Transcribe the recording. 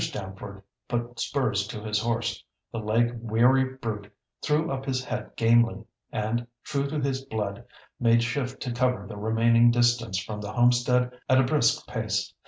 Stamford put spurs to his horse. The leg weary brute threw up his head gamely, and, true to his blood, made shift to cover the remaining distance from the homestead at a brisk pace.